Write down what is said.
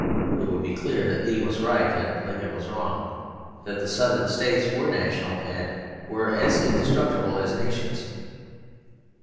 It would be clear that Lee was right and Lincoln was wrong; that the Southern States were national and were as indestructible as nations.